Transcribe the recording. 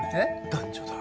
男女だ。